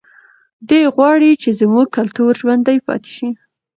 دی غواړي چې زموږ کلتور ژوندی پاتې شي.